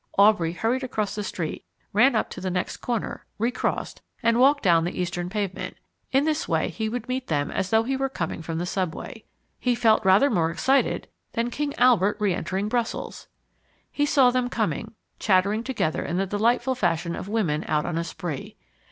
Aubrey hurried across the street, ran up to the next corner, recrossed, and walked down the eastern pavement. In this way he would meet them as though he were coming from the subway. He felt rather more excited than King Albert re entering Brussels. He saw them coming, chattering together in the delightful fashion of women out on a spree.